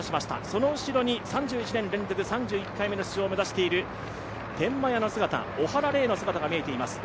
その後ろに３１年連続３１回目の出場を目指している天満屋の姿、小原怜の姿が見えています。